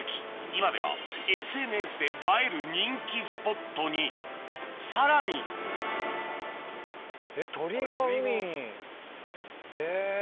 今ではＳＮＳで映える人気スポットにさらにへぇ。